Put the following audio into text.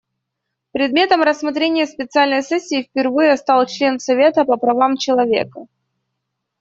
Предметом рассмотрения специальной сессии впервые стал член Совета по правам человека.